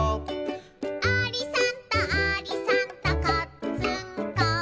「ありさんとありさんとこっつんこ」